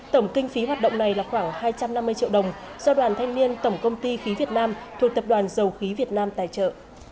tổng kinh phí hoạt động này là khoảng hai trăm năm mươi triệu đồng do đoàn thanh niên tổng công ty khí việt nam thuộc tập đoàn dầu khí việt nam tài trợ